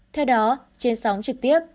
theo đó trên sóng trực tiếp